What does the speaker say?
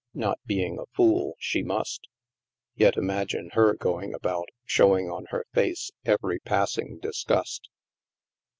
Not being a fool, she must. Yet imagine her going about, showing on her face every passing disgust!